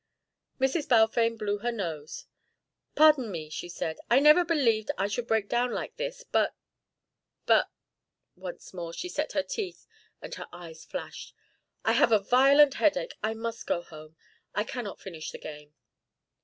Mrs. Balfame blew her nose. "Pardon me," she said. "I never believed I should break down like this but but " once more she set her teeth and her eyes flashed. "I have a violent headache. I must go home. I cannot finish the game."